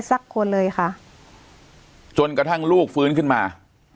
สักคนเลยค่ะจนกระทั่งลูกฟื้นขึ้นมา